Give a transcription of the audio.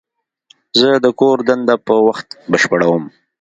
زه د کور دنده په وخت بشپړوم.